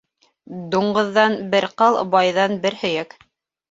Дуңғыҙҙан бер ҡыл, байҙан бер һөйәк.